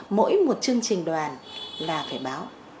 mỗi một chương trình đoàn là phải báo